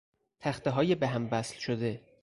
تختههای به هم وصل شده